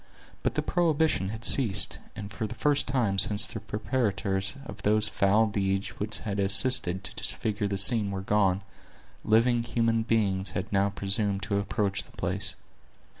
But the prohibition had ceased; and for the first time since the perpetrators of those foul deeds which had assisted to disfigure the scene were gone, living human beings had now presumed to approach the place.